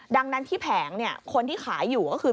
ดังนั้นที่แผงคนที่ขายอยู่ก็คือ